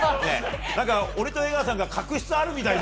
俺と江川さんが確執あるみたいな。